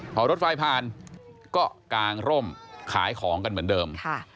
พอรถไฟผ่านก็กางร่มขายของกันเหมือนเดิม